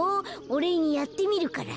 おれいにやってみるから。